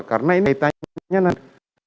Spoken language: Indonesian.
karena ini pertanyaannya nanti